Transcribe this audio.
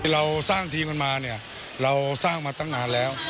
เราสร้างทีมกันมาเนี่ยเราสร้างมาตั้งนานแล้ว